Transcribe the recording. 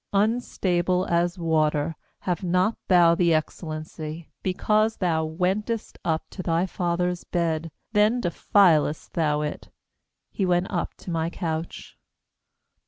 ^Unstable as water, have not thou the excellency; Because thou wentest up to thy father's bed; Then defiledst thou it— he went up to my couch.